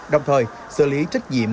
đồng thời xử lý trách nhiệm